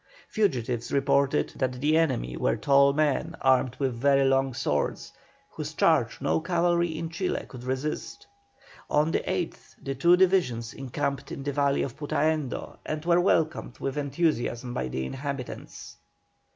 The fugitives reported that the enemy were tall men armed with very long swords, whose charge no cavalry in Chile could resist. On the 8th the two divisions encamped in the valley of Putaendo, and were welcomed with enthusiasm by the inhabitants.